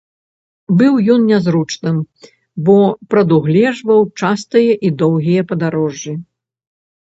Быў ён нязручным, бо прадугледжваў частыя і доўгія падарожжы.